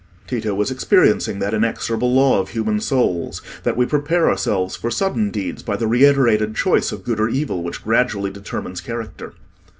Tito was experiencing that inexorable law of human souls, that we prepare ourselves for sudden deeds by the reiterated choice of good or evil which gradually determines character.